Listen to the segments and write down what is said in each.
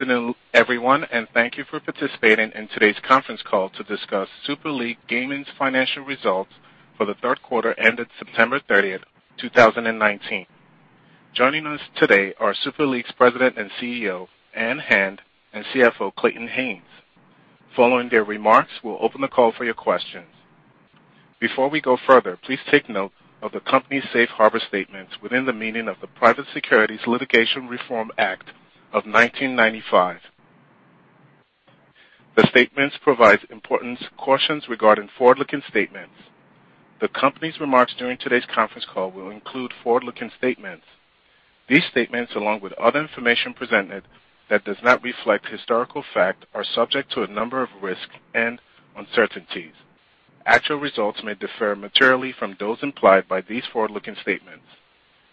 Good afternoon, everyone, and thank you for participating in today's conference call to discuss Super League Gaming's financial results for the third quarter ended September 30, 2019. Joining us today are Super League's President and CEO, Ann Hand, and CFO, Clayton Haynes. Following their remarks, we'll open the call for your questions. Before we go further, please take note of the company's safe harbor statements within the meaning of the Private Securities Litigation Reform Act of 1995. The statements provide important cautions regarding forward-looking statements. The company's remarks during today's conference call will include forward-looking statements. These statements, along with other information presented that does not reflect historical fact, are subject to a number of risks and uncertainties. Actual results may differ materially from those implied by these forward-looking statements.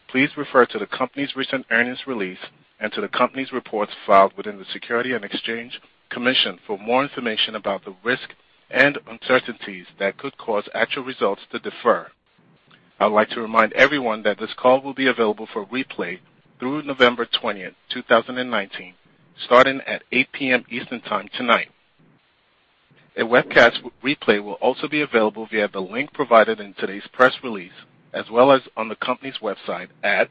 Please refer to the company's recent earnings release and to the company's reports filed within the Securities and Exchange Commission for more information about the risks and uncertainties that could cause actual results to differ. I would like to remind everyone that this call will be available for replay through November 20, 2019, starting at 8:00 P.M. Eastern Time tonight. A webcast replay will also be available via the link provided in today's press release, as well as on the company's website at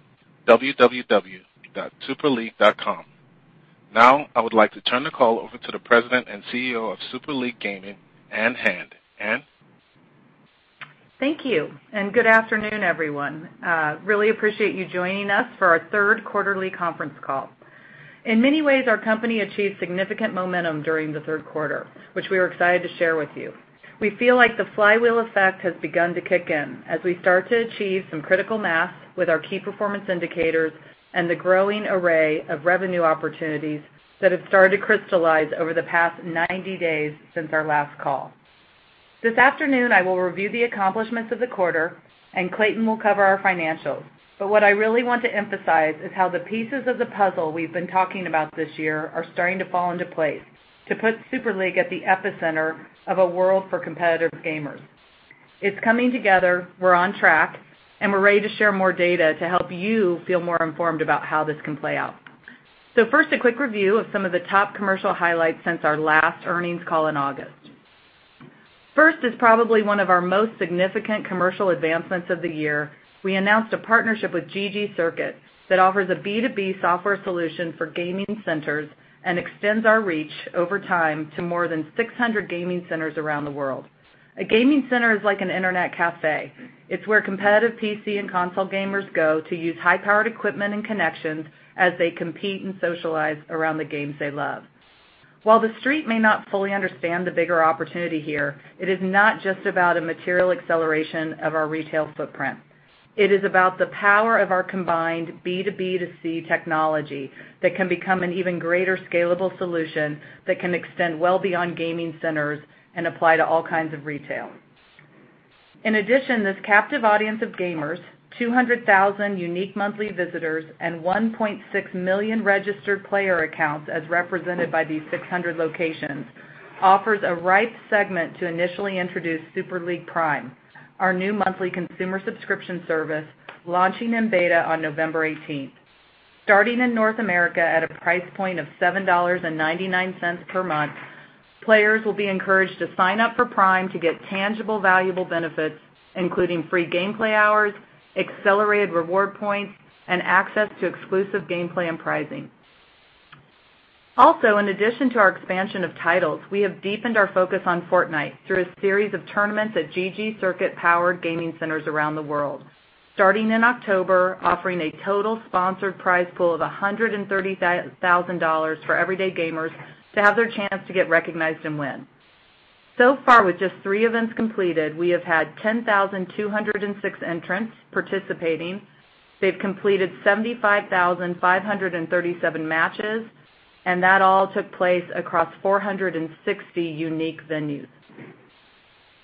www.superleague.com. I would like to turn the call over to the President and CEO of Super League Gaming, Ann Hand. Ann? Thank you, and good afternoon, everyone. Really appreciate you joining us for our third quarterly conference call. In many ways, our company achieved significant momentum during the third quarter, which we are excited to share with you. We feel like the flywheel effect has begun to kick in as we start to achieve some critical mass with our key performance indicators and the growing array of revenue opportunities that have started to crystallize over the past 90 days since our last call. This afternoon, I will review the accomplishments of the quarter, and Clayton will cover our financials. What I really want to emphasize is how the pieces of the puzzle we've been talking about this year are starting to fall into place to put Super League at the epicenter of a world for competitive gamers. It's coming together, we're on track, we're ready to share more data to help you feel more informed about how this can play out. First, a quick review of some of the top commercial highlights since our last earnings call in August. First is probably one of our most significant commercial advancements of the year. We announced a partnership with ggCircuit that offers a B2B software solution for gaming centers and extends our reach over time to more than 600 gaming centers around the world. A gaming center is like an internet cafe. It's where competitive PC and console gamers go to use high-powered equipment and connections as they compete and socialize around the games they love. While the Street may not fully understand the bigger opportunity here, it is not just about a material acceleration of our retail footprint. It is about the power of our combined B2B2C technology that can become an even greater scalable solution that can extend well beyond gaming centers and apply to all kinds of retail. In addition, this captive audience of gamers, 200,000 unique monthly visitors, and 1.6 million registered player accounts as represented by these 600 locations, offers a ripe segment to initially introduce Super League Prime, our new monthly consumer subscription service, launching in beta on November 18th. Starting in North America at a price point of $7.99 per month, players will be encouraged to sign up for Prime to get tangible, valuable benefits, including free gameplay hours, accelerated reward points, and access to exclusive gameplay and prizing. In addition to our expansion of titles, we have deepened our focus on Fortnite through a series of tournaments at ggCircuit-powered gaming centers around the world, starting in October, offering a total sponsored prize pool of $130,000 for everyday gamers to have their chance to get recognized and win. So far, with just three events completed, we have had 10,206 entrants participating. They've completed 75,537 matches, and that all took place across 460 unique venues.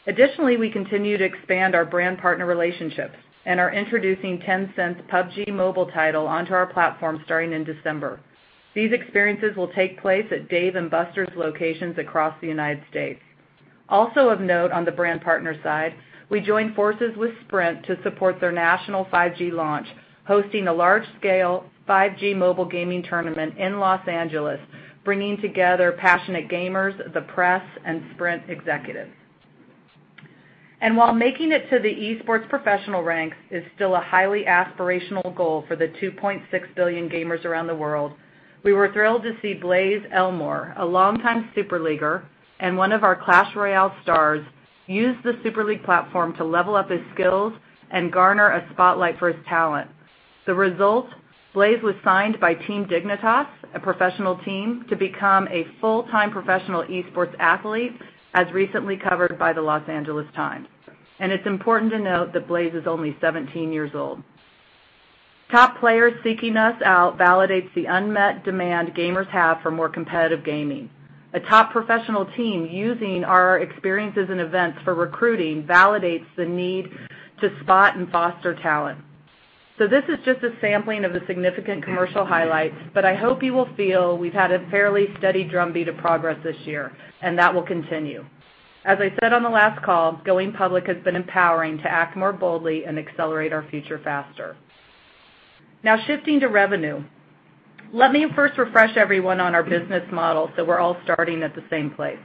Additionally, we continue to expand our brand partner relationships and are introducing Tencent's PUBG MOBILE title onto our platform starting in December. These experiences will take place at Dave & Buster's locations across the U.S. Also of note on the brand partner side, we joined forces with Sprint to support their national 5G launch, hosting a large-scale 5G mobile gaming tournament in Los Angeles, bringing together passionate gamers, the press, and Sprint executives. While making it to the esports professional ranks is still a highly aspirational goal for the 2.6 billion gamers around the world, we were thrilled to see Blaze Elmore, a longtime Super Leaguer and one of our Clash Royale stars, use the Super League platform to level up his skills and garner a spotlight for his talent. The result, Blaze was signed by Team Dignitas, a professional team, to become a full-time professional esports athlete, as recently covered by the Los Angeles Times. It's important to note that Blaze is only 17 years old. Top players seeking us out validates the unmet demand gamers have for more competitive gaming. A top professional team using our experiences and events for recruiting validates the need to spot and foster talent. This is just a sampling of the significant commercial highlights, but I hope you will feel we've had a fairly steady drumbeat of progress this year, and that will continue. As I said on the last call, going public has been empowering to act more boldly and accelerate our future faster. Shifting to revenue. Let me first refresh everyone on our business model so we're all starting at the same place.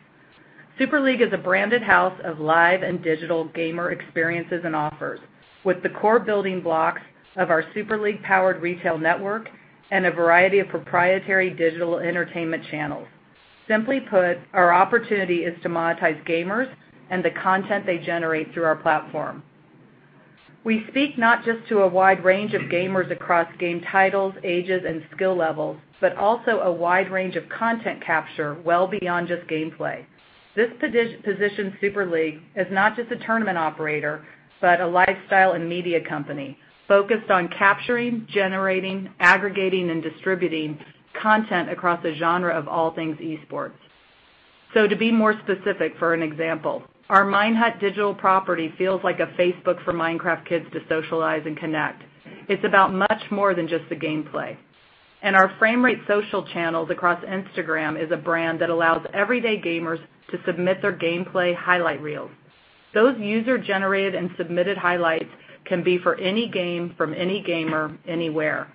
Super League is a branded house of live and digital gamer experiences and offers, with the core building blocks of our Super League powered retail network and a variety of proprietary digital entertainment channels. Simply put, our opportunity is to monetize gamers and the content they generate through our platform. We speak not just to a wide range of gamers across game titles, ages, and skill levels, but also a wide range of content capture well beyond just gameplay. This positions Super League as not just a tournament operator, but a lifestyle and media company focused on capturing, generating, aggregating, and distributing content across the genre of all things esports. To be more specific, for an example, our Minehut digital property feels like a Facebook for Minecraft kids to socialize and connect. It's about much more than just the gameplay. Our Framerate social channels across Instagram is a brand that allows everyday gamers to submit their gameplay highlight reels. Those user-generated and submitted highlights can be for any game from any gamer anywhere,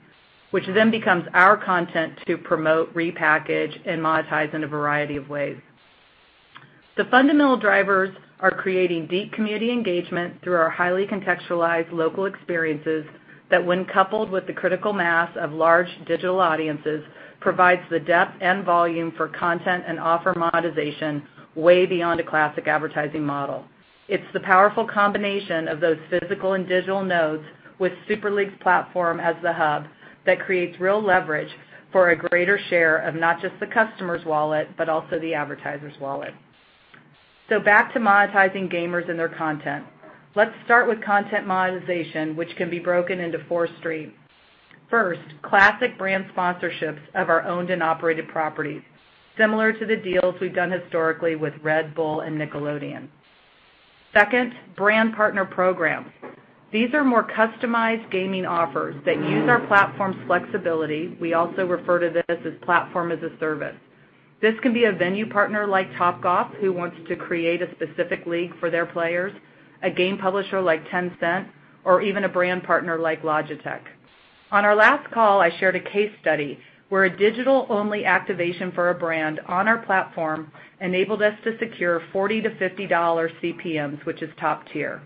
which then becomes our content to promote, repackage, and monetize in a variety of ways. The fundamental drivers are creating deep community engagement through our highly contextualized local experiences that when coupled with the critical mass of large digital audiences, provides the depth and volume for content and offer monetization way beyond a classic advertising model. It's the powerful combination of those physical and digital nodes with Super League's platform as the hub that creates real leverage for a greater share of not just the customer's wallet, but also the advertiser's wallet. Back to monetizing gamers and their content. Let's start with content monetization, which can be broken into four streams. First, classic brand sponsorships of our owned and operated properties, similar to the deals we've done historically with Red Bull and Nickelodeon. Second, brand partner programs. These are more customized gaming offers that use our platform's flexibility. We also refer to this as platform as a service. This can be a venue partner like Topgolf, who wants to create a specific league for their players, a game publisher like Tencent, or even a brand partner like Logitech. On our last call, I shared a case study where a digital-only activation for a brand on our platform enabled us to secure $40-$50 CPMs, which is top tier.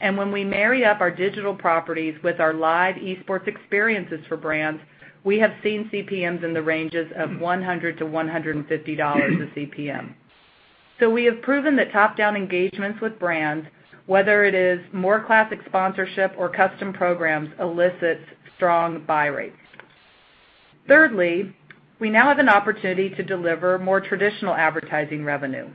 When we marry up our digital properties with our live esports experiences for brands, we have seen CPMs in the ranges of $100-$150 a CPM. We have proven that top-down engagements with brands, whether it is more classic sponsorship or custom programs, elicits strong buy rates. Thirdly, we now have an opportunity to deliver more traditional advertising revenue.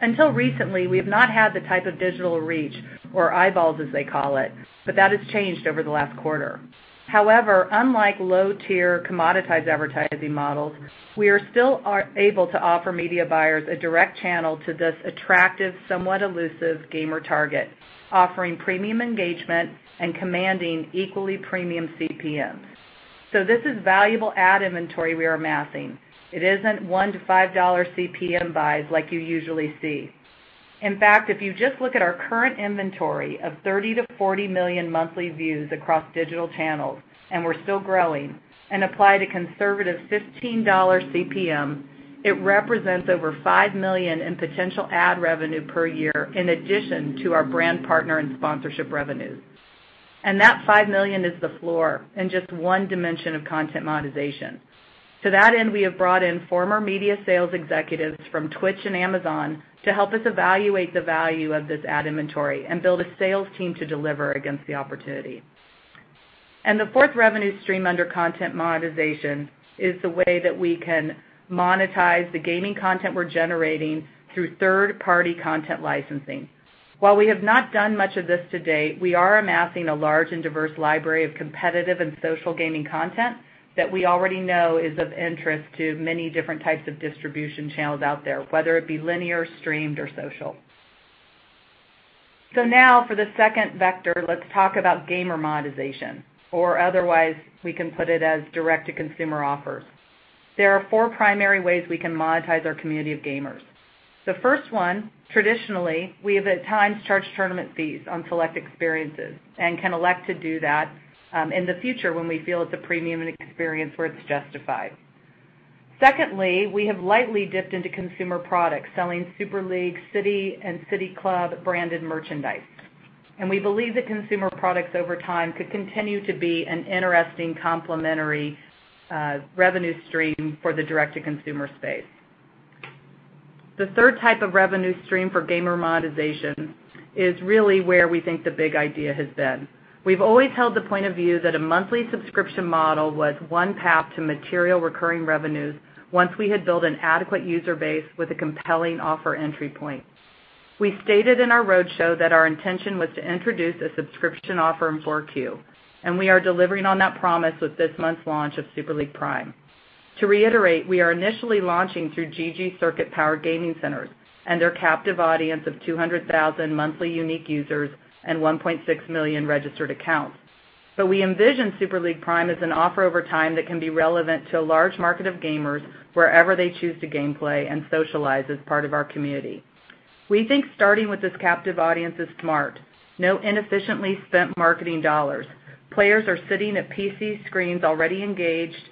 Until recently, we have not had the type of digital reach or eyeballs, as they call it, but that has changed over the last quarter. However, unlike low-tier commoditized advertising models, we are still able to offer media buyers a direct channel to this attractive, somewhat elusive gamer target, offering premium engagement and commanding equally premium CPMs. This is valuable ad inventory we are amassing. It isn't $1 to $5 CPM buys like you usually see. In fact, if you just look at our current inventory of 30 to 40 million monthly views across digital channels, and we're still growing, and apply the conservative $15 CPM, it represents over $5 million in potential ad revenue per year, in addition to our brand partner and sponsorship revenues. That $5 million is the floor and just one dimension of content monetization. To that end, we have brought in former media sales executives from Twitch and Amazon to help us evaluate the value of this ad inventory and build a sales team to deliver against the opportunity. The fourth revenue stream under content monetization is the way that we can monetize the gaming content we're generating through third-party content licensing. While we have not done much of this to date, we are amassing a large and diverse library of competitive and social gaming content that we already know is of interest to many different types of distribution channels out there, whether it be linear, streamed, or social. Now for the second vector, let's talk about gamer monetization, or otherwise, we can put it as direct-to-consumer offers. There are four primary ways we can monetize our community of gamers. The first one, traditionally, we have at times charged tournament fees on select experiences and can elect to do that in the future when we feel it's a premium experience where it's justified. Secondly, we have lightly dipped into consumer products, selling Super League City and CityClub branded merchandise. We believe that consumer products over time could continue to be an interesting complementary revenue stream for the direct-to-consumer space. The type 3 revenue stream for gamer monetization is really where we think the big idea has been. We've always held the point of view that a monthly subscription model was one path to material recurring revenues once we had built an adequate user base with a compelling offer entry point. We stated in our roadshow that our intention was to introduce a subscription offer in 4Q, and we are delivering on that promise with this month's launch of Super League Prime. To reiterate, we are initially launching through ggCircuit-powered gaming centers and their captive audience of 200,000 monthly unique users and 1.6 million registered accounts. We envision Super League Prime as an offer over time that can be relevant to a large market of gamers wherever they choose to gameplay and socialize as part of our community. We think starting with this captive audience is smart. No inefficiently spent marketing dollars. Players are sitting at PC screens already engaged.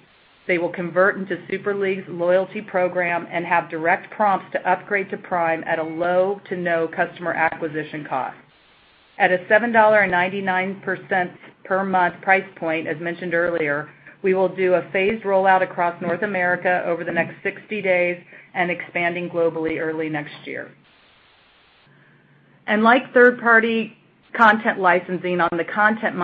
They will convert into Super League's loyalty program and have direct prompts to upgrade to Prime at a low to no customer acquisition cost. At a $7.99 per month price point, as mentioned earlier, we will do a phased rollout across North America over the next 60 days and expanding globally early next year. Like third-party content licensing on the content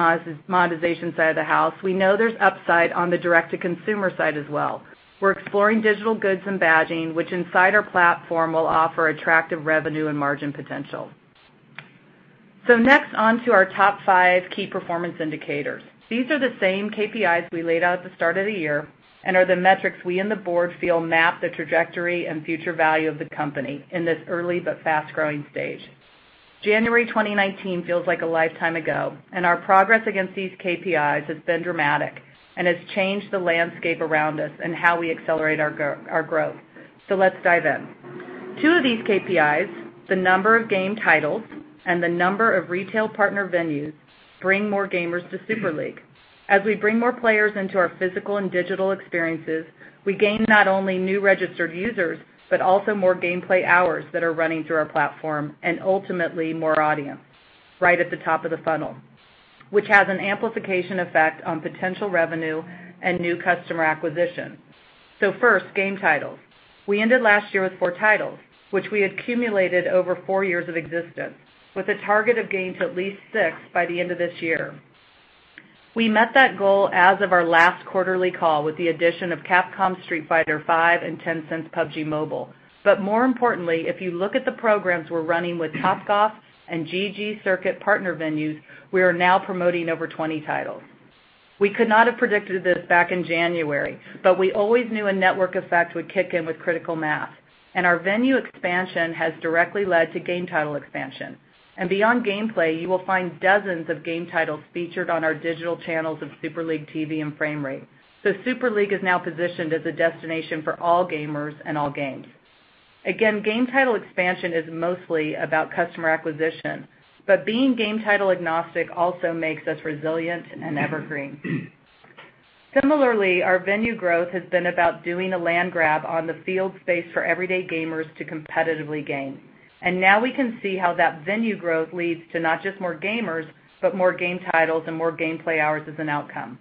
monetization side of the house, we know there's upside on the direct-to-consumer side as well. We're exploring digital goods and badging, which inside our platform will offer attractive revenue and margin potential. Next, onto our top 5 key performance indicators. These are the same KPIs we laid out at the start of the year and are the metrics we and the board feel map the trajectory and future value of the company in this early but fast-growing stage. January 2019 feels like a lifetime ago, and our progress against these KPIs has been dramatic and has changed the landscape around us and how we accelerate our growth. Let's dive in. Two of these KPIs, the number of game titles and the number of retail partner venues, bring more gamers to Super League. As we bring more players into our physical and digital experiences, we gain not only new registered users, but also more gameplay hours that are running through our platform, and ultimately more audience right at the top of the funnel, which has an amplification effect on potential revenue and new customer acquisition. First, game titles. We ended last year with four titles, which we accumulated over four years of existence, with a target of getting to at least six by the end of this year. We met that goal as of our last quarterly call with the addition of Capcom's "Street Fighter V" and Tencent's "PUBG MOBILE." More importantly, if you look at the programs we're running with Topgolf and ggCircuit partner venues, we are now promoting over 20 titles. We could not have predicted this back in January, but we always knew a network effect would kick in with critical mass, and our venue expansion has directly led to game title expansion. Beyond gameplay, you will find dozens of game titles featured on our digital channels of SuperLeagueTV and Framerate. Super League is now positioned as a destination for all gamers and all games. Again, game title expansion is mostly about customer acquisition, but being game title agnostic also makes us resilient and evergreen. Similarly, our venue growth has been about doing a land grab on the field space for everyday gamers to competitively game. Now we can see how that venue growth leads to not just more gamers, but more game titles and more gameplay hours as an outcome.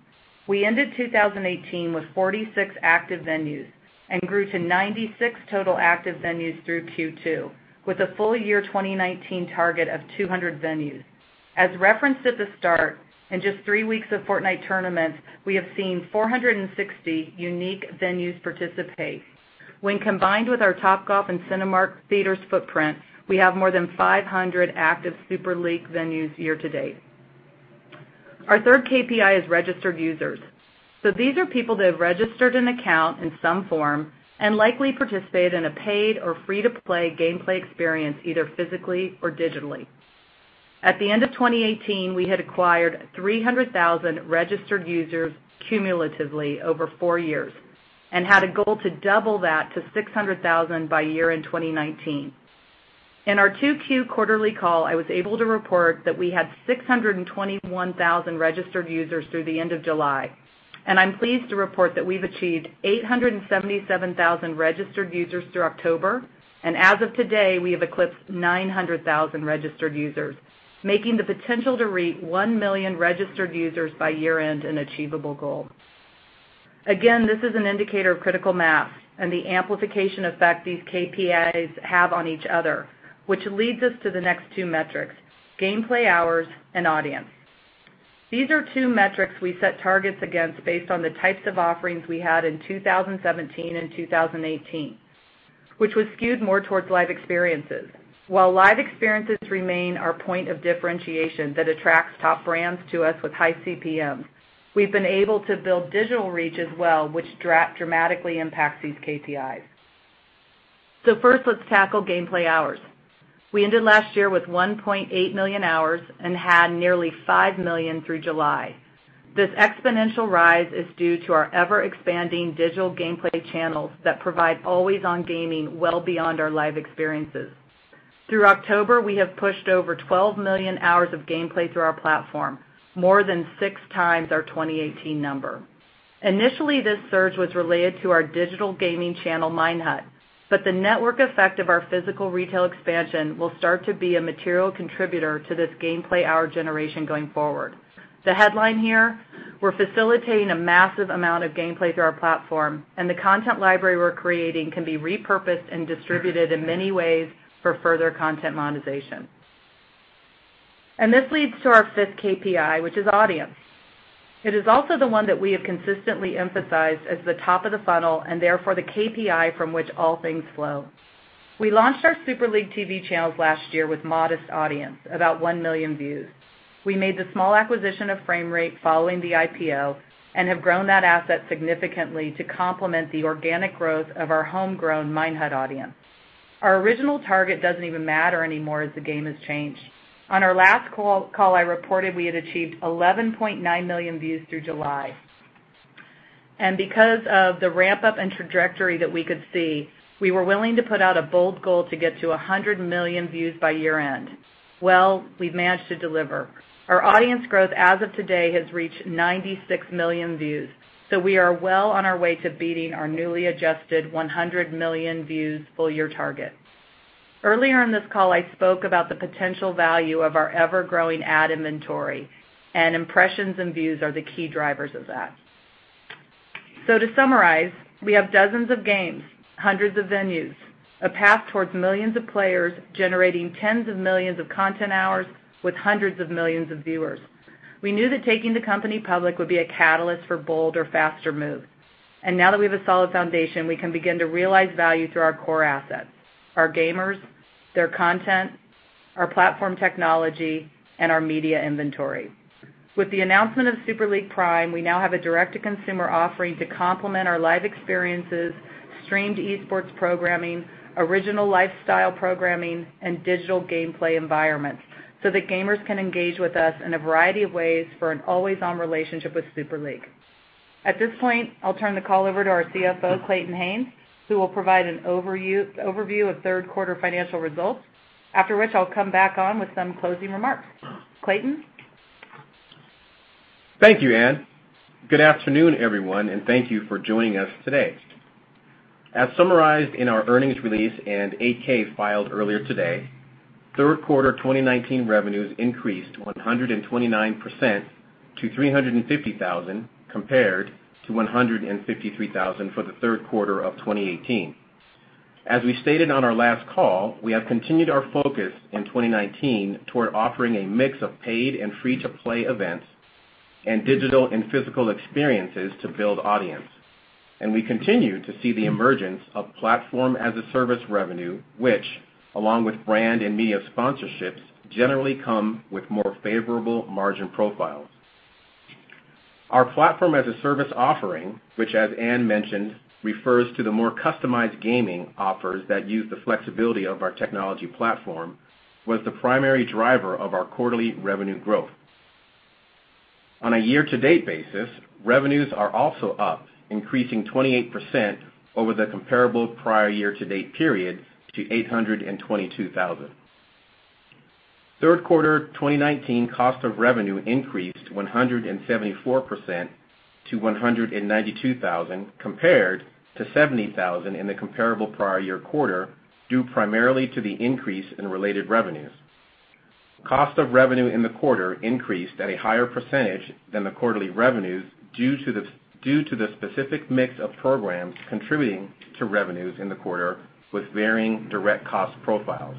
We ended 2018 with 46 active venues and grew to 96 total active venues through Q2, with a full year 2019 target of 200 venues. As referenced at the start, in just three weeks of Fortnite tournaments, we have seen 460 unique venues participate. When combined with our Topgolf and Cinemark Theatres footprint, we have more than 500 active Super League venues year to date. Our third KPI is registered users. These are people that have registered an account in some form and likely participated in a paid or free-to-play gameplay experience, either physically or digitally. At the end of 2018, we had acquired 300,000 registered users cumulatively over four years and had a goal to double that to 600,000 by year-end 2019. In our 2Q quarterly call, I was able to report that we had 621,000 registered users through the end of July, and I'm pleased to report that we've achieved 877,000 registered users through October. As of today, we have eclipsed 900,000 registered users, making the potential to reach 1 million registered users by year-end an achievable goal. Again, this is an indicator of critical mass and the amplification effect these KPIs have on each other, which leads us to the next two metrics: gameplay hours and audience. These are two metrics we set targets against based on the types of offerings we had in 2017 and 2018, which was skewed more towards live experiences. While live experiences remain our point of differentiation that attracts top brands to us with high CPMs, we've been able to build digital reach as well, which dramatically impacts these KPIs. First, let's tackle gameplay hours. We ended last year with 1.8 million hours and had nearly 5 million through July. This exponential rise is due to our ever-expanding digital gameplay channels that provide always-on gaming well beyond our live experiences. Through October, we have pushed over 12 million hours of gameplay through our platform, more than six times our 2018 number. Initially, this surge was related to our digital gaming channel, Minehut, but the network effect of our physical retail expansion will start to be a material contributor to this gameplay hour generation going forward. The headline here, we're facilitating a massive amount of gameplay through our platform, the content library we're creating can be repurposed and distributed in many ways for further content monetization. This leads to our fifth KPI, which is audience. It is also the one that we have consistently emphasized as the top of the funnel, and therefore the KPI from which all things flow. We launched our SuperLeagueTV channels last year with modest audience, about 1 million views. We made the small acquisition of Framerate following the IPO and have grown that asset significantly to complement the organic growth of our homegrown Minehut audience. Our original target doesn't even matter anymore as the game has changed. On our last call, I reported we had achieved 11.9 million views through July. Because of the ramp up and trajectory that we could see, we were willing to put out a bold goal to get to 100 million views by year-end. Well, we've managed to deliver. Our audience growth as of today has reached 96 million views. We are well on our way to beating our newly adjusted 100 million views full year target. Earlier in this call, I spoke about the potential value of our ever-growing ad inventory, and impressions and views are the key drivers of that. To summarize, we have dozens of games, hundreds of venues, a path towards millions of players generating tens of millions of content hours with hundreds of millions of viewers. We knew that taking the company public would be a catalyst for bolder, faster moves. Now that we have a solid foundation, we can begin to realize value through our core assets, our gamers, their content, our platform technology, and our media inventory. With the announcement of Super League Prime, we now have a direct-to-consumer offering to complement our live experiences, streamed esports programming, original lifestyle programming, and digital gameplay environments, so that gamers can engage with us in a variety of ways for an always-on relationship with Super League. At this point, I'll turn the call over to our CFO, Clayton Haynes, who will provide an overview of third quarter financial results, after which I'll come back on with some closing remarks. Clayton? Thank you, Ann. Good afternoon, everyone, and thank you for joining us today. As summarized in our earnings release and 8-K filed earlier today, third quarter 2019 revenues increased 129% to $350,000 compared to $153,000 for the third quarter of 2018. As we stated on our last call, we have continued our focus in 2019 toward offering a mix of paid and free-to-play events and digital and physical experiences to build audience. We continue to see the emergence of platform as a service revenue, which along with brand and media sponsorships, generally come with more favorable margin profiles. Our platform as a service offering, which as Ann mentioned, refers to the more customized gaming offers that use the flexibility of our technology platform, was the primary driver of our quarterly revenue growth. On a year-to-date basis, revenues are also up, increasing 28% over the comparable prior year-to-date period to $822,000. Third quarter 2019 cost of revenue increased 174% to $192,000 compared to $70,000 in the comparable prior year quarter, due primarily to the increase in related revenues. Cost of revenue in the quarter increased at a higher percentage than the quarterly revenues due to the specific mix of programs contributing to revenues in the quarter with varying direct cost profiles.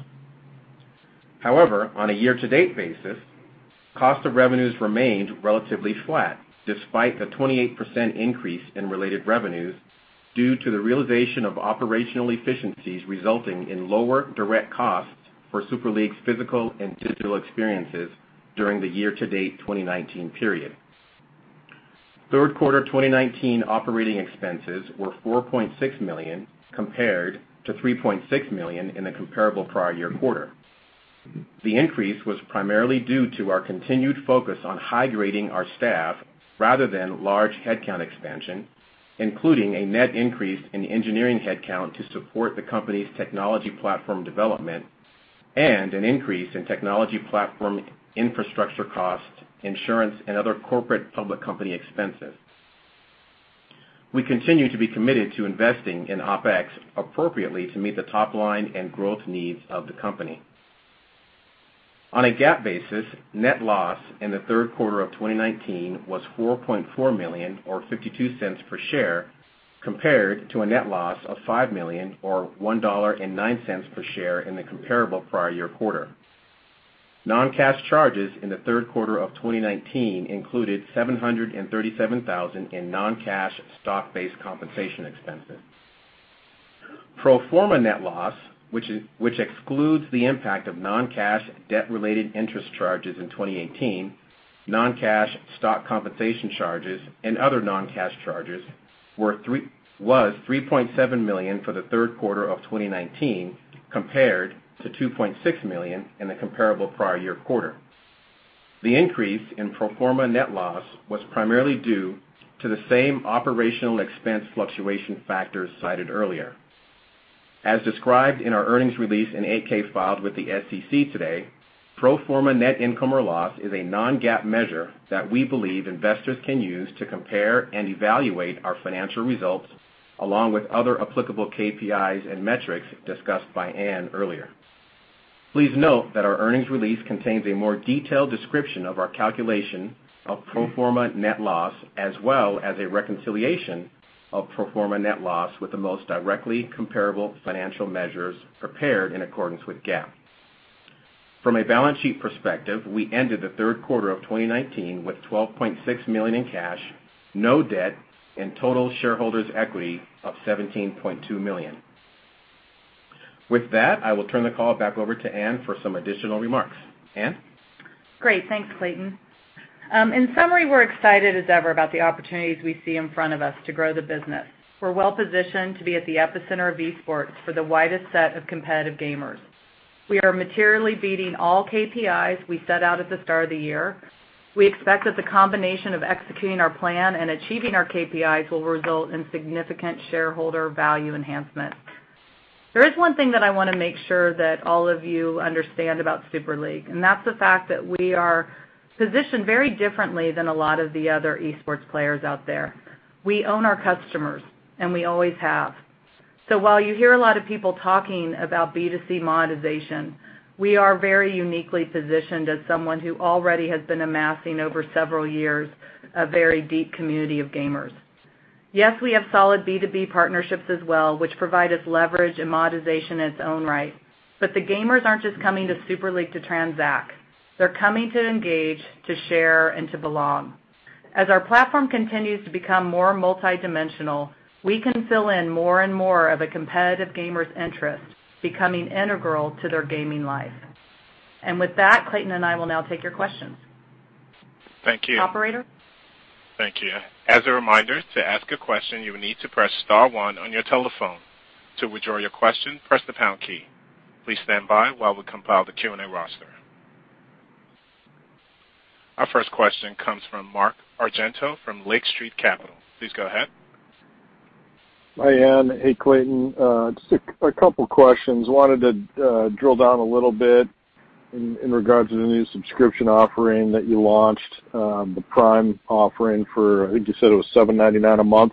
However, on a year-to-date basis, cost of revenues remained relatively flat despite the 28% increase in related revenues due to the realization of operational efficiencies resulting in lower direct costs for Super League's physical and digital experiences during the year-to-date 2019 period. Third quarter 2019 operating expenses were $4.6 million compared to $3.6 million in the comparable prior year quarter. The increase was primarily due to our continued focus on high-grading our staff rather than large headcount expansion, including a net increase in engineering headcount to support the company's technology platform development and an increase in technology platform infrastructure costs, insurance, and other corporate public company expenses. We continue to be committed to investing in OpEx appropriately to meet the top line and growth needs of the company. On a GAAP basis, net loss in the third quarter of 2019 was $4.4 million or $0.52 per share, compared to a net loss of $5 million or $1.09 per share in the comparable prior year quarter. Non-cash charges in the third quarter of 2019 included $737,000 in non-cash stock-based compensation expenses. Pro forma net loss, which excludes the impact of non-cash debt-related interest charges in 2018, non-cash stock compensation charges, and other non-cash charges, was $3.7 million for the third quarter of 2019 compared to $2.6 million in the comparable prior year quarter. The increase in pro forma net loss was primarily due to the same operational expense fluctuation factors cited earlier. As described in our earnings release and 8-K filed with the SEC today, pro forma net income or loss is a non-GAAP measure that we believe investors can use to compare and evaluate our financial results, along with other applicable KPIs and metrics discussed by Ann earlier. Please note that our earnings release contains a more detailed description of our calculation of pro forma net loss, as well as a reconciliation of pro forma net loss with the most directly comparable financial measures prepared in accordance with GAAP. From a balance sheet perspective, we ended the third quarter of 2019 with $12.6 million in cash, no debt, and total shareholders equity of $17.2 million. With that, I will turn the call back over to Ann for some additional remarks. Anne? Great. Thanks, Clayton. In summary, we're excited as ever about the opportunities we see in front of us to grow the business. We're well-positioned to be at the epicenter of esports for the widest set of competitive gamers. We are materially beating all KPIs we set out at the start of the year. We expect that the combination of executing our plan and achieving our KPIs will result in significant shareholder value enhancement. There is one thing that I want to make sure that all of you understand about Super League, and that's the fact that we are positioned very differently than a lot of the other esports players out there. We own our customers, and we always have. While you hear a lot of people talking about B2C monetization, we are very uniquely positioned as someone who already has been amassing over several years, a very deep community of gamers. Yes, we have solid B2B partnerships as well, which provide us leverage and monetization in its own right. The gamers aren't just coming to Super League to transact. They're coming to engage, to share, and to belong. As our platform continues to become more multidimensional, we can fill in more and more of a competitive gamer's interest, becoming integral to their gaming life. With that, Clayton and I will now take your questions. Thank you. Operator? Thank you. As a reminder, to ask a question, you will need to press star one on your telephone. To withdraw your question, press the pound key. Please stand by while we compile the Q&A roster. Our first question comes from Mark Argento of Lake Street Capital. Please go ahead. Hi, Ann. Hey, Clayton. Just a couple of questions. Wanted to drill down a little bit in regards to the new subscription offering that you launched, the Prime offering for, I think you said it was $7.99 a month.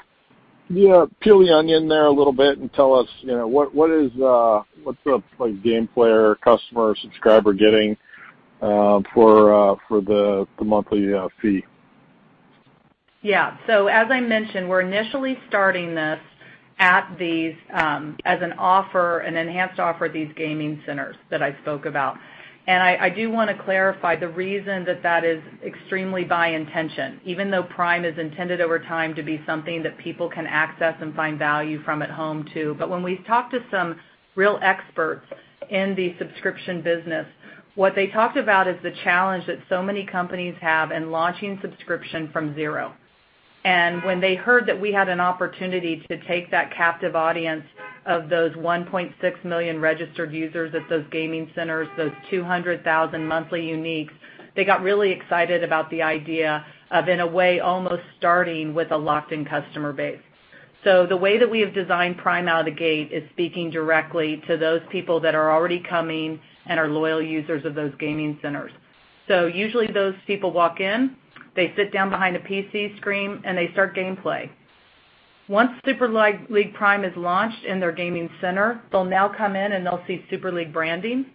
Yeah, peel the onion there a little bit and tell us what's the game player, customer, or subscriber getting for the monthly fee? As I mentioned, we're initially starting this as an enhanced offer at these gaming centers that I spoke about. I do want to clarify the reason that is extremely by intention, even though Prime is intended over time to be something that people can access and find value from at home, too. When we've talked to some real experts in the subscription business, what they talked about is the challenge that so many companies have in launching subscription from zero. When they heard that we had an opportunity to take that captive audience of those 1.6 million registered users at those gaming centers, those 200,000 monthly uniques, they got really excited about the idea of in a way, almost starting with a locked-in customer base. The way that we have designed Prime out of the gate is speaking directly to those people that are already coming and are loyal users of those gaming centers. Usually those people walk in, they sit down behind a PC screen, and they start gameplay. Once Super League Prime is launched in their gaming center, they'll now come in and they'll see Super League branding.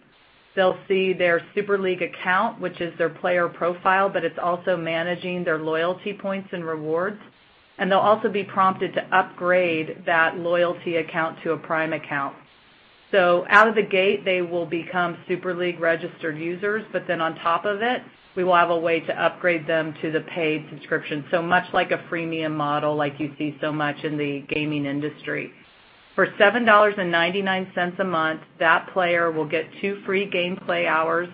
They'll see their Super League account, which is their player profile, but it's also managing their loyalty points and rewards. And they'll also be prompted to upgrade that loyalty account to a Prime account. Out of the gate, they will become Super League registered users, but then on top of it, we will have a way to upgrade them to the paid subscription. Much like a freemium model like you see so much in the gaming industry. For $7.99 a month, that player will get two free gameplay hours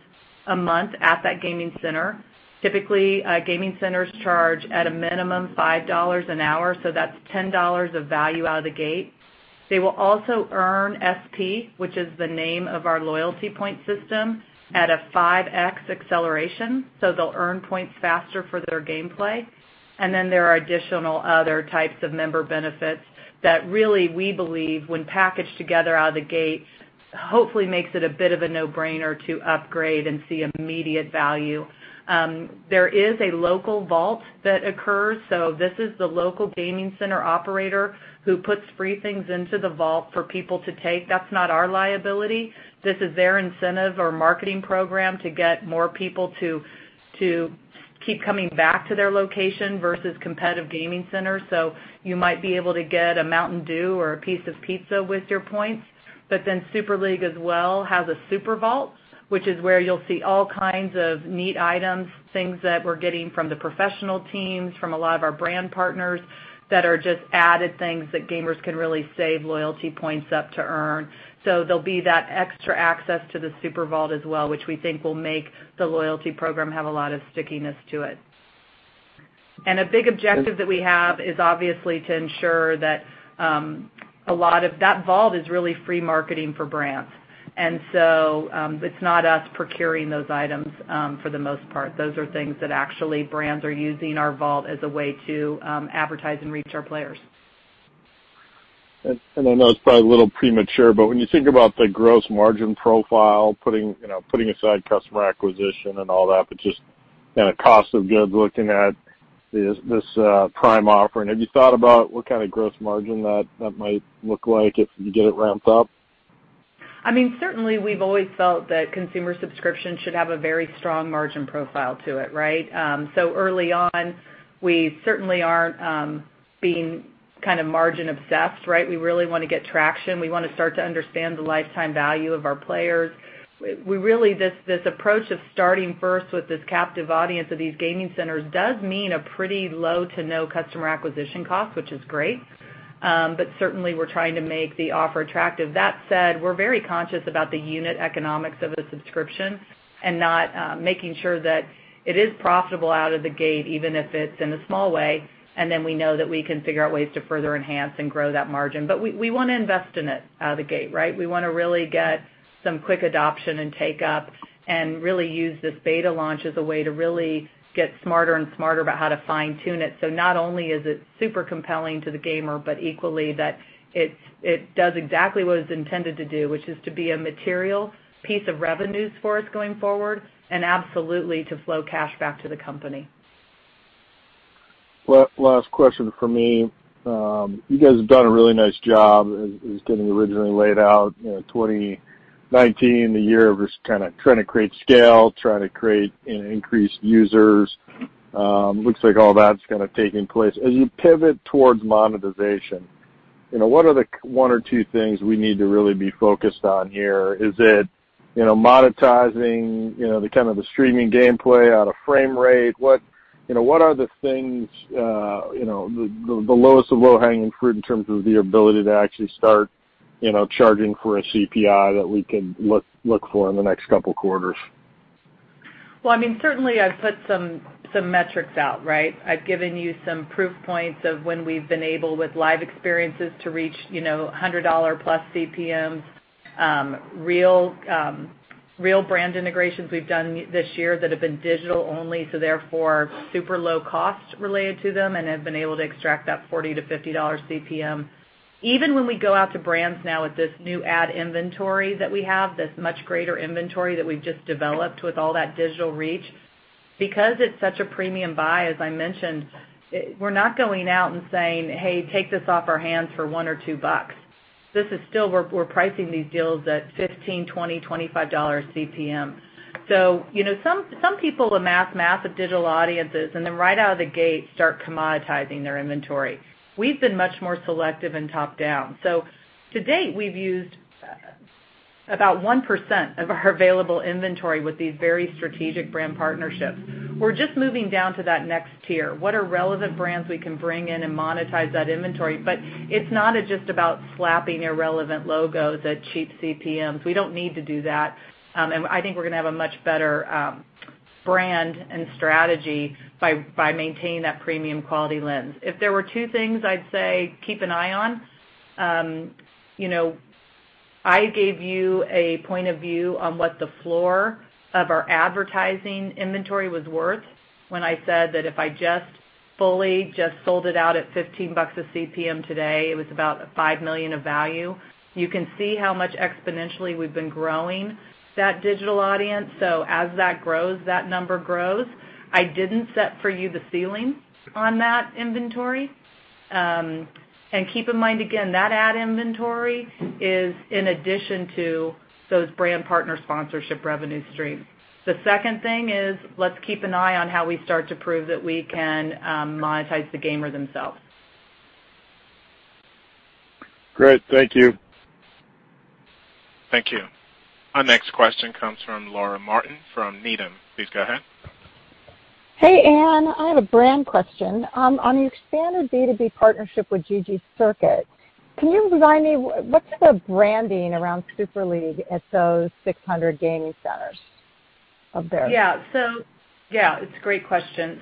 a month at that gaming center. Typically, gaming centers charge at a minimum $5 an hour, so that's $10 of value out of the gate. They will also earn SP, which is the name of our loyalty point system, at a 5X acceleration, so they'll earn points faster for their gameplay. There are additional other types of member benefits that really, we believe, when packaged together out of the gate, hopefully makes it a bit of a no-brainer to upgrade and see immediate value. This is the local gaming center operator who puts free things into the vault for people to take. That's not our liability. This is their incentive or marketing program to get more people to keep coming back to their location versus competitive gaming centers. You might be able to get a Mountain Dew or a piece of pizza with your points. Super League as well has a Super Vault, which is where you'll see all kinds of neat items, things that we're getting from the professional teams, from a lot of our brand partners that are just added things that gamers can really save loyalty points up to earn. There'll be that extra access to the Super Vault as well, which we think will make the loyalty program have a lot of stickiness to it. A big objective that we have is obviously to ensure that a lot of that vault is really free marketing for brands. It's not us procuring those items for the most part. Those are things that actually brands are using our vault as a way to advertise and reach our players. I know it's probably a little premature, but when you think about the gross margin profile, putting aside customer acquisition and all that, but just kind of cost of goods, looking at this Prime offering, have you thought about what kind of gross margin that might look like if you get it ramped up? Certainly, we've always felt that consumer subscription should have a very strong margin profile to it, right? Early on, we certainly aren't being margin-obsessed, right? We really want to get traction. We want to start to understand the lifetime value of our players. This approach of starting first with this captive audience of these gaming centers does mean a pretty low to no customer acquisition cost, which is great. Certainly, we're trying to make the offer attractive. That said, we're very conscious about the unit economics of the subscription and making sure that it is profitable out of the gate, even if it's in a small way, and then we know that we can figure out ways to further enhance and grow that margin. We want to invest in it out of the gate, right? We want to really get some quick adoption and take-up, really use this beta launch as a way to really get smarter and smarter about how to fine-tune it. Not only is it super compelling to the gamer, but equally that it does exactly what it's intended to do, which is to be a material piece of revenues for us going forward, and absolutely to flow cash back to the company. Last question from me. You guys have done a really nice job as getting originally laid out, 2019, the year of just trying to create scale, trying to create increased users. Looks like all that's kind of taking place. As you pivot towards monetization, what are the one or two things we need to really be focused on here? Is it monetizing the streaming gameplay out of Framerate? What are the things, the lowest of low-hanging fruit in terms of the ability to actually start charging for a CPM that we can look for in the next couple of quarters? Well, certainly I've put some metrics out, right? I've given you some proof points of when we've been able, with live experiences, to reach $100+ CPMs. Real brand integrations we've done this year that have been digital only, therefore super low cost related to them, and have been able to extract that $40-$50 CPM. Even when we go out to brands now with this new ad inventory that we have, this much greater inventory that we've just developed with all that digital reach, because it's such a premium buy, as I mentioned, we're not going out and saying, "Hey, take this off our hands for one or two bucks." This is still, we're pricing these deals at $15, $20, $25 CPM. Some people amass massive digital audiences, and then right out of the gate, start commoditizing their inventory. We've been much more selective and top-down. To date, we've used about 1% of our available inventory with these very strategic brand partnerships. We're just moving down to that next tier. What are relevant brands we can bring in and monetize that inventory? It's not just about slapping irrelevant logos at cheap CPMs. We don't need to do that. I think we're going to have a much better brand and strategy by maintaining that premium quality lens. If there were two things I'd say keep an eye on, I gave you a point of view on what the floor of our advertising inventory was worth when I said that if I just fully just sold it out at $15 a CPM today, it was about $5 million of value. You can see how much exponentially we've been growing that digital audience. As that grows, that number grows. I didn't set for you the ceiling on that inventory. Keep in mind, again, that ad inventory is in addition to those brand partner sponsorship revenue streams. The second thing is, let's keep an eye on how we start to prove that we can monetize the gamer themselves. Great. Thank you. Thank you. Our next question comes from Laura Martin from Needham. Please go ahead. Hey, Ann. I have a brand question. On your expanded B2B partnership with ggCircuit, can you remind me, what's the branding around Super League at those 600 gaming centers of theirs? Yeah. It's a great question.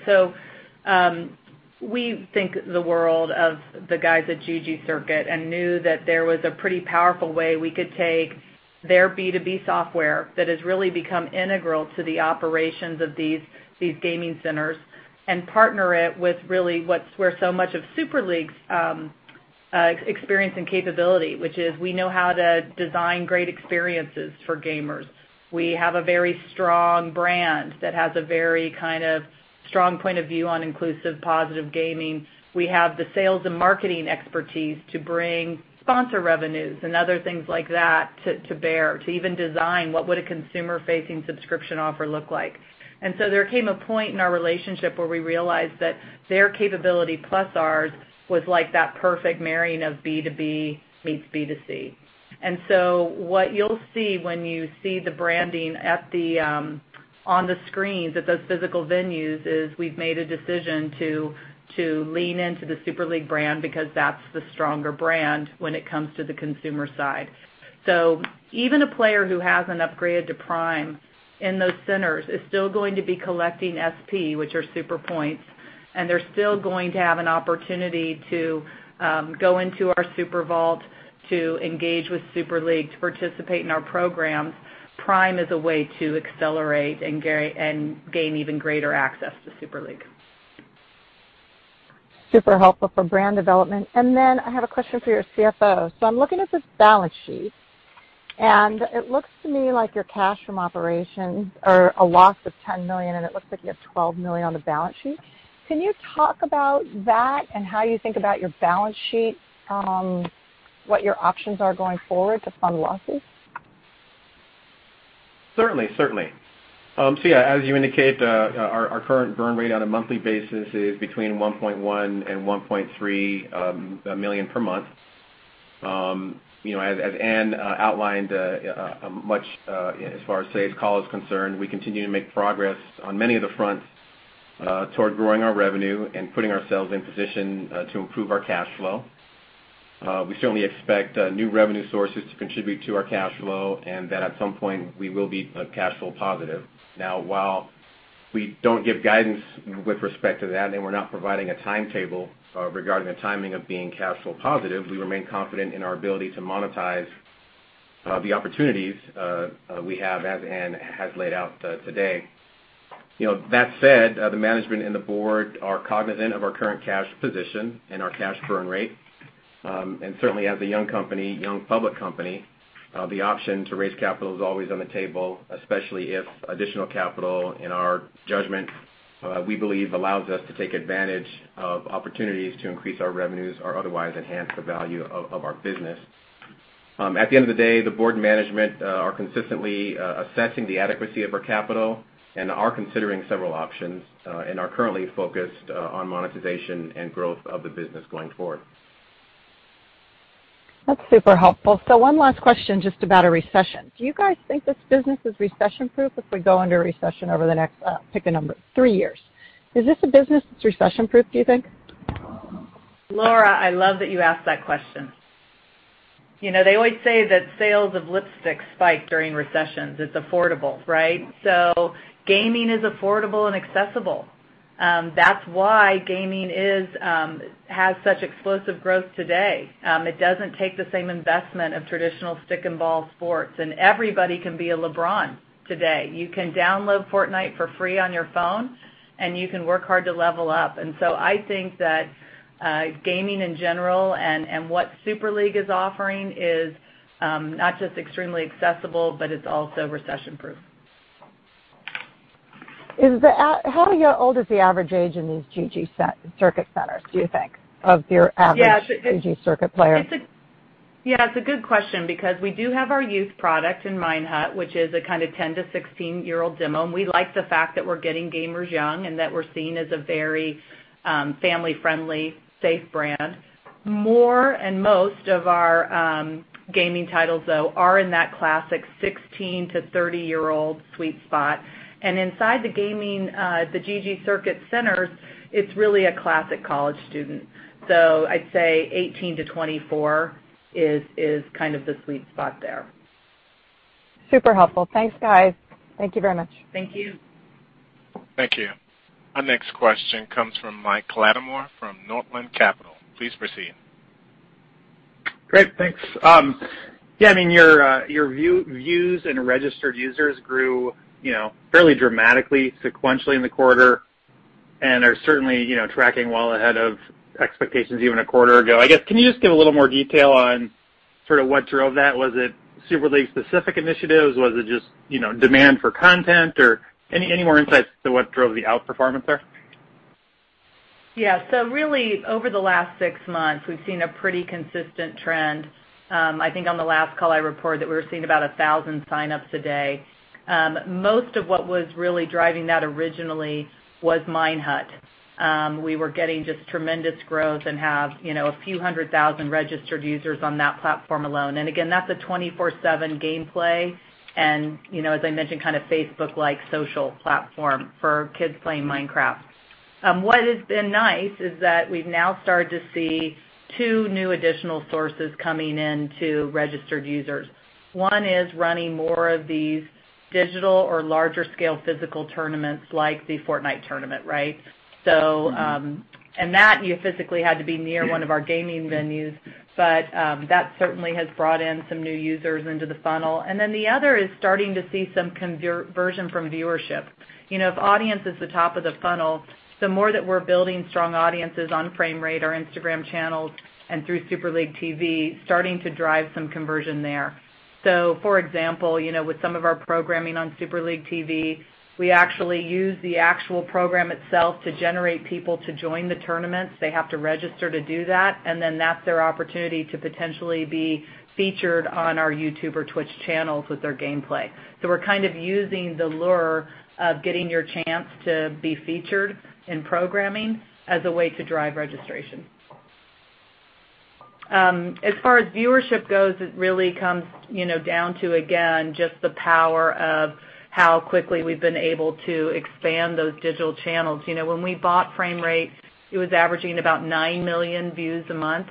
We think the world of the guys at ggCircuit and knew that there was a pretty powerful way we could take their B2B software that has really become integral to the operations of these gaming centers and partner it with really what's where so much of Super League's experience and capability. Which is we know how to design great experiences for gamers. We have a very strong brand that has a very strong point of view on inclusive positive gaming. We have the sales and marketing expertise to bring sponsor revenues and other things like that to bear to even design what would a consumer-facing subscription offer look like. There came a point in our relationship where we realized that their capability plus ours was like that perfect marrying of B2B meets B2C. What you'll see when you see the branding on the screens at those physical venues is we've made a decision to lean into the Super League brand because that's the stronger brand when it comes to the consumer side. Even a player who hasn't upgraded to Prime in those centers is still going to be collecting SP, which are Super Points, and they're still going to have an opportunity to go into our Super Vault to engage with Super League to participate in our programs. Prime is a way to accelerate and gain even greater access to Super League. Super helpful for brand development. I have a question for your CFO. I'm looking at this balance sheet, and it looks to me like your cash from operations are a loss of $10 million, and it looks like you have $12 million on the balance sheet. Can you talk about that and how you think about your balance sheet, what your options are going forward to fund losses? Certainly. Yeah, as you indicate, our current burn rate on a monthly basis is between $1.1 million and $1.3 million per month. As Ann outlined, as far as today's call is concerned, we continue to make progress on many of the fronts toward growing our revenue and putting ourselves in position to improve our cash flow. We certainly expect new revenue sources to contribute to our cash flow and that at some point, we will be cash flow positive. While we don't give guidance with respect to that, and we're not providing a timetable regarding the timing of being cash flow positive, we remain confident in our ability to monetize the opportunities we have, as Ann has laid out today. That said, the management and the board are cognizant of our current cash position and our cash burn rate. Certainly, as a young public company, the option to raise capital is always on the table, especially if additional capital, in our judgment, we believe allows us to take advantage of opportunities to increase our revenues or otherwise enhance the value of our business. At the end of the day, the board and management are consistently assessing the adequacy of our capital and are considering several options and are currently focused on monetization and growth of the business going forward. That's super helpful. One last question just about a recession. Do you guys think this business is recession-proof if we go into a recession over the next, pick a number, three years? Is this a business that's recession-proof, do you think? Laura, I love that you asked that question. They always say that sales of lipstick spike during recessions. It's affordable, right? Gaming is affordable and accessible. That's why gaming has such explosive growth today. It doesn't take the same investment of traditional stick and ball sports, and everybody can be a LeBron today. You can download Fortnite for free on your phone, and you can work hard to level up. I think that gaming in general and what Super League is offering is not just extremely accessible, but it's also recession-proof. How old is the average age in these ggCircuit centers, do you think, of your average ggCircuit player? Yeah, it's a good question because we do have our youth product in Minehut, which is a kind of 10 to 16-year-old demo, and we like the fact that we're getting gamers young and that we're seen as a very family-friendly, safe brand. More and most of our gaming titles, though, are in that classic 16 to 30-year-old sweet spot. Inside the ggCircuit centers, it's really a classic college student. I'd say 18 to 24 is the sweet spot there. Super helpful. Thanks, guys. Thank you very much. Thank you. Thank you. Our next question comes from Mike Latimore from Northland Capital Markets. Please proceed. Great. Thanks. Yeah, your views and registered users grew fairly dramatically sequentially in the quarter and are certainly tracking well ahead of expectations even a quarter ago. I guess, can you just give a little more detail on what drove that? Was it Super League-specific initiatives? Was it just demand for content or any more insights to what drove the outperformance there? Really, over the last six months, we've seen a pretty consistent trend. I think on the last call I reported that we were seeing about 1,000 signups a day. Most of what was really driving that originally was Minehut. We were getting just tremendous growth and have a few hundred thousand registered users on that platform alone. Again, that's a 24/7 gameplay, and as I mentioned, kind of Facebook-like social platform for kids playing Minecraft. What has been nice is that we've now started to see two new additional sources coming in to registered users. One is running more of these digital or larger-scale physical tournaments like the Fortnite tournament, right? That you physically had to be near one of our gaming venues, but that certainly has brought in some new users into the funnel. The other is starting to see some conversion from viewership. If audience is the top of the funnel, the more that we're building strong audiences on Framerate, our Instagram channels, and through SuperLeagueTV, starting to drive some conversion there. For example, with some of our programming on SuperLeagueTV, we actually use the actual program itself to generate people to join the tournaments. They have to register to do that, and then that's their opportunity to potentially be featured on our YouTube or Twitch channels with their gameplay. We're using the lure of getting your chance to be featured in programming as a way to drive registration. As far as viewership goes, it really comes down to, again, just the power of how quickly we've been able to expand those digital channels. When we bought Framerate, it was averaging about 9 million views a month.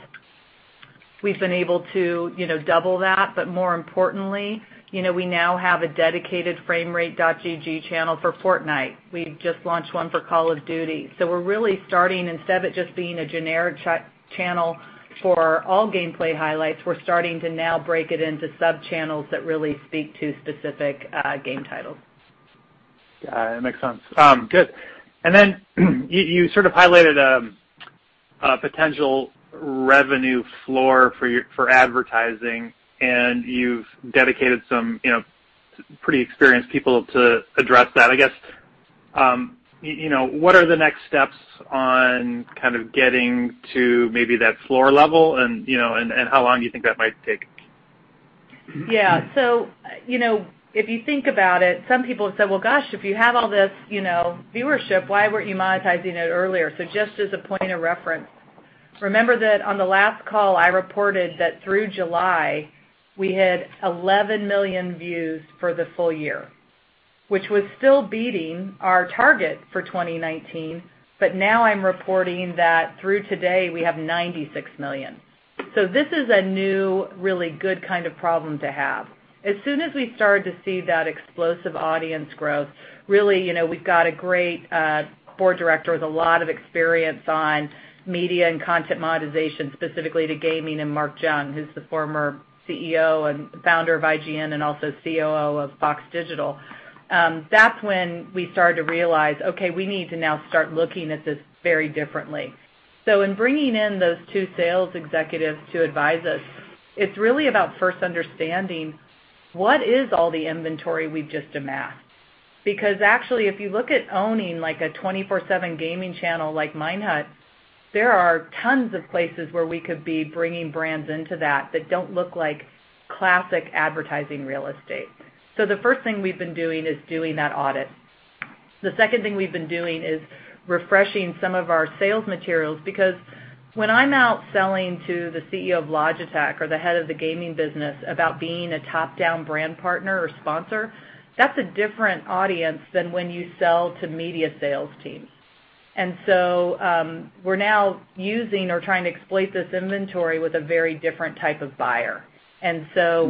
We've been able to double that, but more importantly, we now have a dedicated Framerate.gg channel for Fortnite. We've just launched one for Call of Duty. We're really starting, instead of it just being a generic channel for all gameplay highlights, we're starting to now break it into sub-channels that really speak to specific game titles. Yeah, that makes sense. Good. You highlighted a potential revenue floor for advertising, you've dedicated some pretty experienced people to address that. I guess, what are the next steps on getting to maybe that floor level and how long do you think that might take? Yeah. If you think about it, some people have said, "Well, gosh, if you have all this viewership, why weren't you monetizing it earlier?" Just as a point of reference, remember that on the last call, I reported that through July, we had 11 million views for the full year, which was still beating our target for 2019. Now I'm reporting that through today, we have 96 million. This is a new, really good kind of problem to have. As soon as we started to see that explosive audience growth, really, we've got a great board director with a lot of experience on media and content monetization, specifically to gaming, and Mark Jung, who's the former CEO and founder of IGN and also COO of FOX Digital. That's when we started to realize, okay, we need to now start looking at this very differently. In bringing in those two sales executives to advise us, it's really about first understanding what is all the inventory we've just amassed. Actually, if you look at owning a 24/7 gaming channel like Minehut, there are tons of places where we could be bringing brands into that don't look like classic advertising real estate. The first thing we've been doing is doing that audit. The second thing we've been doing is refreshing some of our sales materials, because when I'm out selling to the CEO of Logitech or the head of the gaming business about being a top-down brand partner or sponsor, that's a different audience than when you sell to media sales teams. We're now using or trying to exploit this inventory with a very different type of buyer.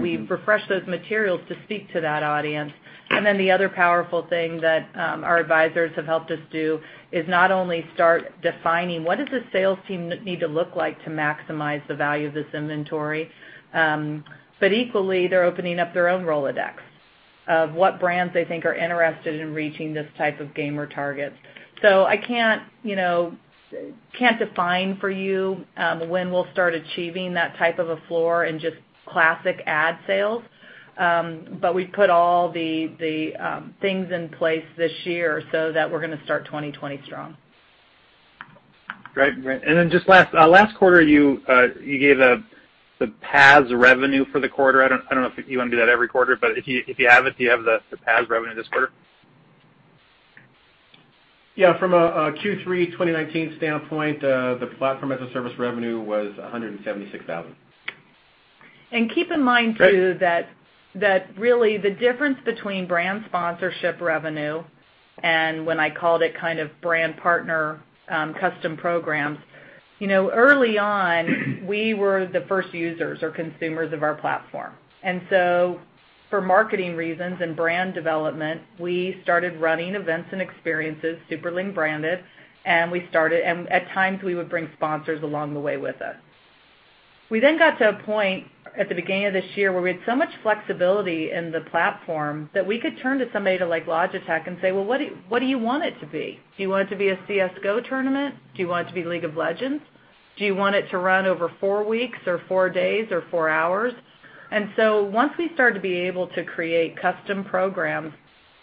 We've refreshed those materials to speak to that audience. The other powerful thing that our advisors have helped us do is not only start defining what does the sales team need to look like to maximize the value of this inventory, but equally, they're opening up their own Rolodex of what brands they think are interested in reaching this type of gamer targets. I can't define for you when we'll start achieving that type of a floor and just classic ad sales. We've put all the things in place this year so that we're going to start 2020 strong. Great. Just last quarter, you gave the PaaS revenue for the quarter. I don't know if you want to do that every quarter, but if you have it, do you have the PaaS revenue this quarter? From a Q3 2019 standpoint, the platform as a service revenue was $176,000. Keep in mind, too, that really the difference between brand sponsorship revenue and when I called it kind of brand partner custom programs. Early on, we were the first users or consumers of our platform. For marketing reasons and brand development, we started running events and experiences, Super League branded. At times, we would bring sponsors along the way with us. We then got to a point at the beginning of this year where we had so much flexibility in the platform that we could turn to somebody like Logitech and say, "Well, what do you want it to be? Do you want it to be a CS:GO tournament? Do you want it to be League of Legends? Do you want it to run over four weeks or four days or four hours? Once we started to be able to create custom programs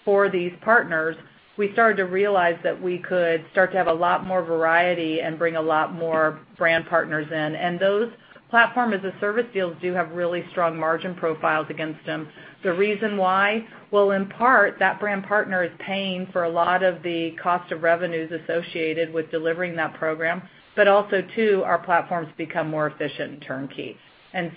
for these partners, we started to realize that we could start to have a lot more variety and bring a lot more brand partners in. Those platform as a service deals do have really strong margin profiles against them. The reason why, well, in part, that brand partner is paying for a lot of the cost of revenues associated with delivering that program, but also too, our platform's become more efficient and turnkey.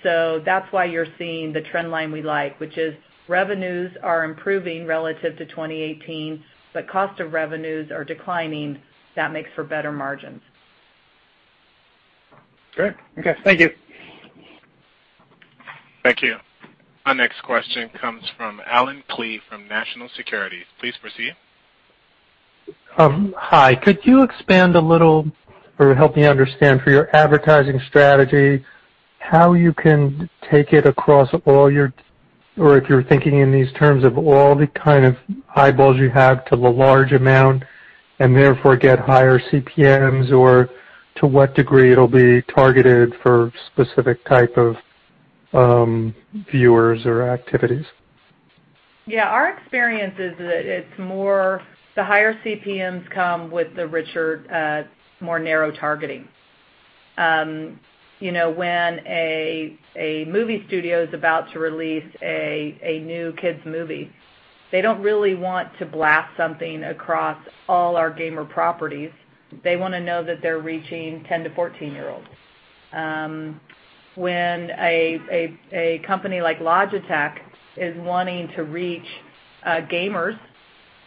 That's why you're seeing the trend line we like, which is revenues are improving relative to 2018, but cost of revenues are declining. That makes for better margins. Great. Okay. Thank you. Thank you. Our next question comes from Allen Klee from National Securities. Please proceed. Hi. Could you expand a little or help me understand for your advertising strategy, how you can take it across or if you're thinking in these terms of all the kind of eyeballs you have to the large amount, and therefore get higher CPMs, or to what degree it'll be targeted for specific type of viewers or activities? Our experience is that it's more the higher CPMs come with the richer, more narrow targeting. When a movie studio is about to release a new kids movie, they don't really want to blast something across all our gamer properties. They want to know that they're reaching 10 to 14 year olds. When a company like Logitech is wanting to reach gamers,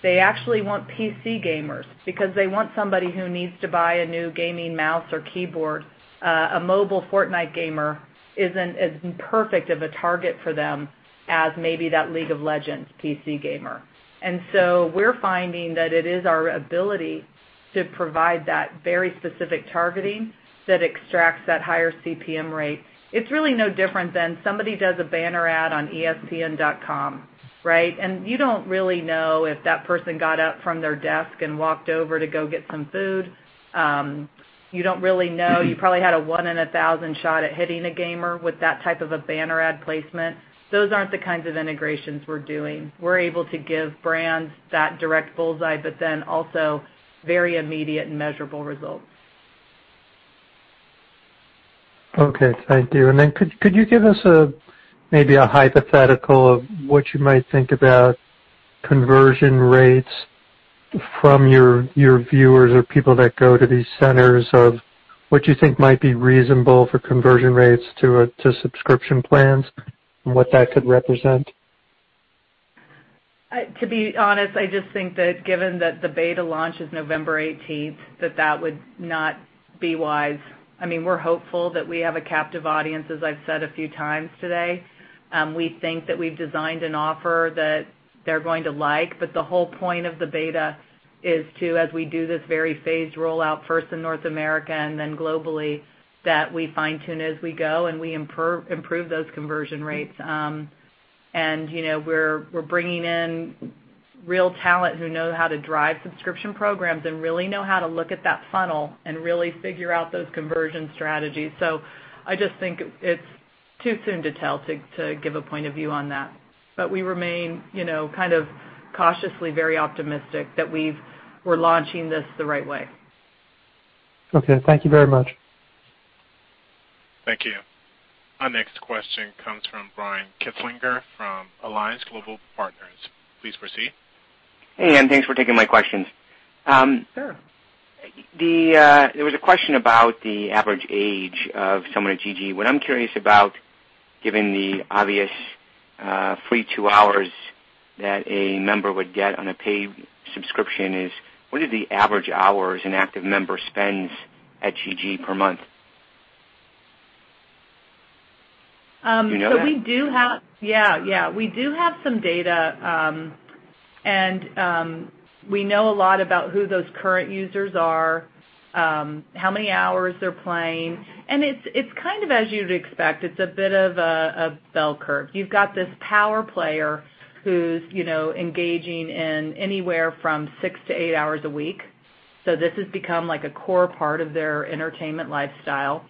they actually want PC gamers because they want somebody who needs to buy a new gaming mouse or keyboard. A mobile Fortnite gamer isn't as perfect of a target for them as maybe that League of Legends PC gamer. We're finding that it is our ability to provide that very specific targeting that extracts that higher CPM rate. It's really no different than somebody does a banner ad on espn.com, right? You don't really know if that person got up from their desk and walked over to go get some food. You don't really know. You probably had a one in a 1,000 shot at hitting a gamer with that type of a banner ad placement. Those aren't the kinds of integrations we're doing. We're able to give brands that direct bullseye, but then also very immediate and measurable results. Okay. Thank you. Could you give us maybe a hypothetical of what you might think about conversion rates from your viewers or people that go to these centers of what you think might be reasonable for conversion rates to subscription plans and what that could represent? To be honest, I just think that given that the beta launch is November 18th, that that would not be wise. We're hopeful that we have a captive audience, as I've said a few times today. We think that we've designed an offer that they're going to like. The whole point of the beta is to, as we do this very phased rollout first in North America and then globally, that we fine-tune as we go and we improve those conversion rates. We're bringing in real talent who know how to drive subscription programs and really know how to look at that funnel and really figure out those conversion strategies. I just think it's too soon to tell to give a point of view on that. We remain cautiously very optimistic that we're launching this the right way. Okay. Thank you very much. Thank you. Our next question comes from Brian Kinstlinger from Alliance Global Partners. Please proceed. Hey, Ann. Thanks for taking my questions. Sure. There was a question about the average age of someone at GG. What I'm curious about, given the obvious free two hours that a member would get on a paid subscription, is what are the average hours an active member spends at GG per month? Do you know that? Yeah. We do have some data. We know a lot about who those current users are, how many hours they're playing, and it's kind of as you'd expect. It's a bit of a bell curve. You've got this power player who's engaging in anywhere from six to eight hours a week. This has become like a core part of their entertainment lifestyle.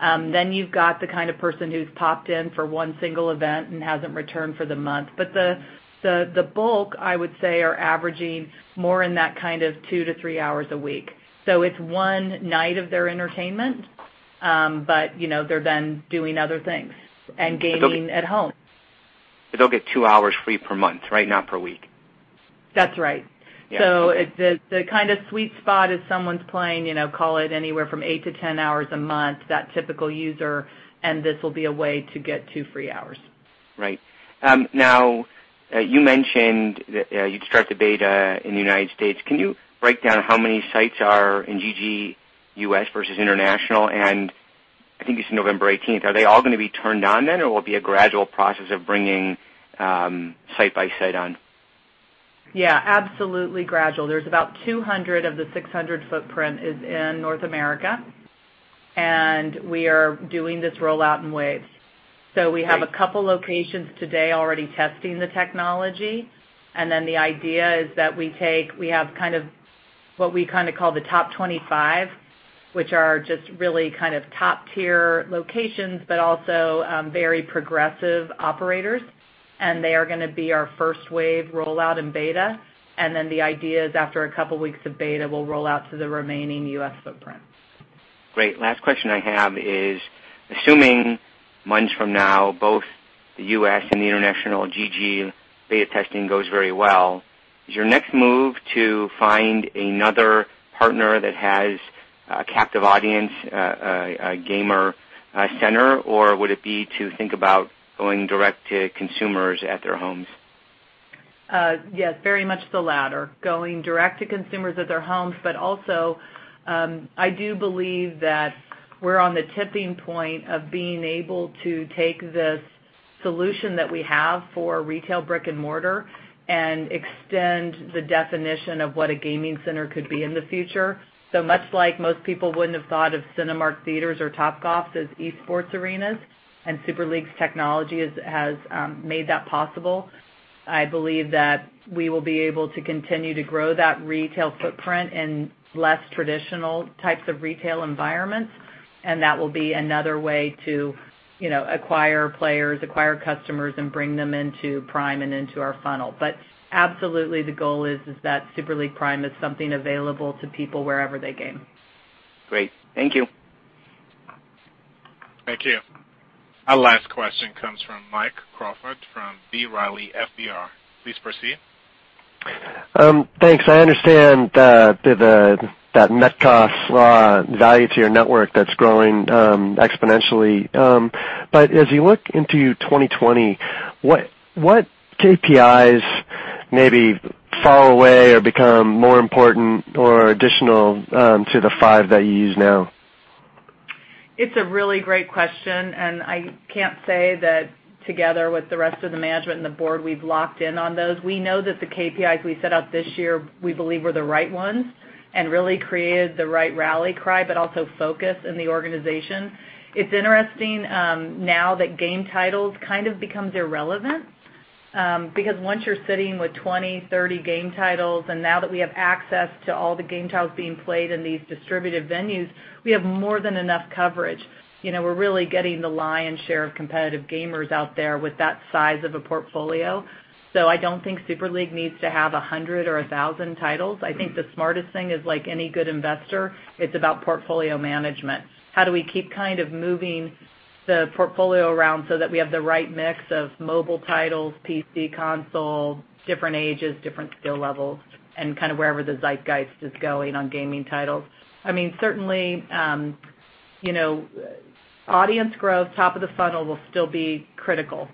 You've got the kind of person who's popped in for one single event and hasn't returned for the month. The bulk, I would say, are averaging more in that kind of two to three hours a week. It's one night of their entertainment, but they're then doing other things and gaming at home. They'll get two hours free per month, right? Not per week. That's right. Yeah. Okay. The kind of sweet spot is someone's playing, call it anywhere from eight to 10 hours a month, that typical user, and this will be a way to get two free hours. Right. Now, you mentioned that you'd start the beta in the United States. Can you break down how many sites are in GG U.S. versus international? I think you said November 18th. Are they all going to be turned on then, or will it be a gradual process of bringing site by site on? Yeah, absolutely gradual. There's about 200 of the 600 footprint is in North America, and we are doing this rollout in waves. Great. We have a couple locations today already testing the technology. The idea is that we have what we call the top 25, which are just really kind of top-tier locations, but also very progressive operators, and they are going to be our first wave rollout in beta. The idea is after a couple of weeks of beta, we'll roll out to the remaining U.S. footprint. Great. Last question I have is, assuming months from now, both the U.S. and the international GG beta testing goes very well, is your next move to find another partner that has a captive audience, a gamer center, or would it be to think about going direct to consumers at their homes? Yes, very much the latter, going direct to consumers at their homes. I do believe that we're on the tipping point of being able to take this solution that we have for retail brick and mortar and extend the definition of what a gaming center could be in the future. Much like most people wouldn't have thought of Cinemark Theatres or Topgolf as esports arenas, and Super League's technology has made that possible, I believe that we will be able to continue to grow that retail footprint in less traditional types of retail environments, and that will be another way to acquire players, acquire customers, and bring them into Prime and into our funnel. Absolutely the goal is that Super League Prime is something available to people wherever they game. Great. Thank you. Thank you. Our last question comes from Mike Crawford from B. Riley FBR. Please proceed. Thanks. I understand that net cost value to your network that's growing exponentially. As you look into 2020, what KPIs maybe fall away or become more important or additional to the five that you use now? It's a really great question, and I can't say that together with the rest of the management and the board, we've locked in on those. We know that the KPIs we set out this year, we believe, were the right ones and really created the right rally cry, but also focus in the organization. It's interesting now that game titles kind of becomes irrelevant. Once you're sitting with 20, 30 game titles, and now that we have access to all the game titles being played in these distributed venues, we have more than enough coverage. We're really getting the lion's share of competitive gamers out there with that size of a portfolio. I don't think Super League needs to have 100 or 1,000 titles. I think the smartest thing is like any good investor, it's about portfolio management. How do we keep kind of moving the portfolio around so that we have the right mix of mobile titles, PC console, different ages, different skill levels, and kind of wherever the zeitgeist is going on gaming titles. Certainly, audience growth, top of the funnel will still be critical.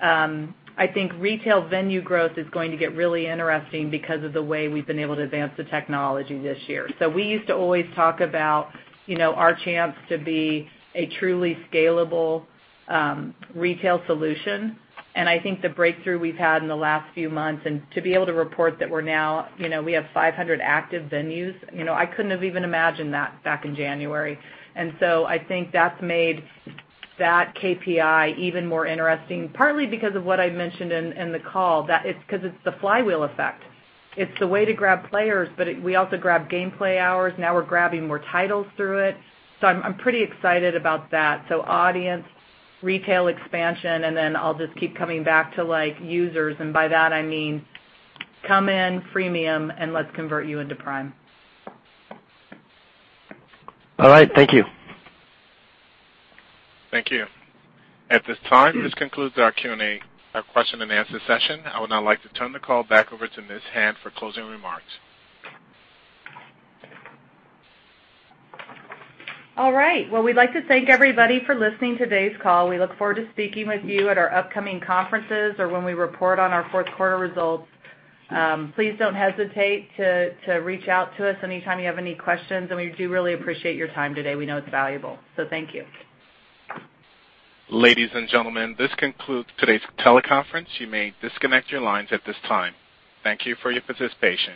I think retail venue growth is going to get really interesting because of the way we've been able to advance the technology this year. We used to always talk about our chance to be a truly scalable retail solution. I think the breakthrough we've had in the last few months, and to be able to report that we have 500 active venues, I couldn't have even imagined that back in January. I think that's made that KPI even more interesting, partly because of what I mentioned in the call, that it's because it's the flywheel effect. It's the way to grab players, but we also grab gameplay hours. Now we're grabbing more titles through it. I'm pretty excited about that. Audience, retail expansion. I'll just keep coming back to users. By that I mean come in freemium and let's convert you into Prime. All right. Thank you. Thank you. At this time, this concludes our Q&A, our question and answer session. I would now like to turn the call back over to Ms. Hand for closing remarks. All right. Well, we'd like to thank everybody for listening to today's call. We look forward to speaking with you at our upcoming conferences or when we report on our fourth quarter results. Please don't hesitate to reach out to us anytime you have any questions, and we do really appreciate your time today. We know it's valuable. Thank you. Ladies and gentlemen, this concludes today's teleconference. You may disconnect your lines at this time. Thank you for your participation.